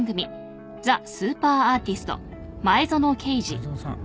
前園さん